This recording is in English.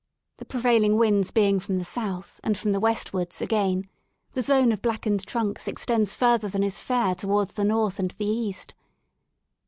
The prevailing winds being from the south and froni the westwards, again, the zone of blackened trunks extends further than is fair towards the north and the east.